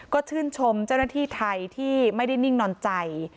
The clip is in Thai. ก็ชื่นชมเจ้าหน้าที่ไทยที่ไม่ได้นิ่งนอนใจ